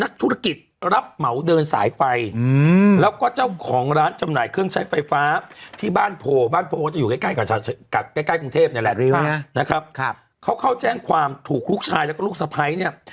เขาเข้าแจ้งความถูกลูกชายและลูกสะพ้ายเนี่ย